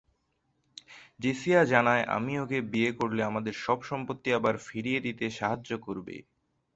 জেসিয়া জানায় আমি ওকে বিয়ে করলে আমাদের সব সম্পত্তি আবার ফিরিয়ে দিতে সাহায্য করবে।